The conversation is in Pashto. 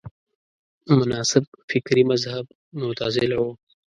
مناسب فکري مذهب معتزله وه